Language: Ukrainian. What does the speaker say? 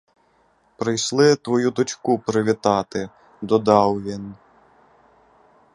Прийшли твою дочку привітати, — додав він.